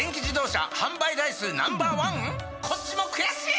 こっちも悔しい！